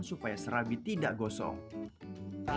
supaya serabi tidak gosong